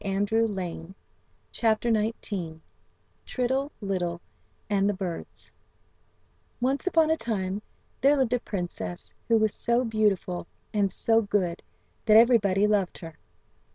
[From Ungarische Mährchen] Tritill, Litill, And The Birds Once upon a time there lived a princess who was so beautiful and so good that everybody loved her.